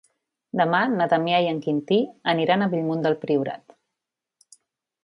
Demà na Damià i en Quintí aniran a Bellmunt del Priorat.